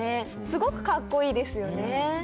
すごくかっこいいですよね。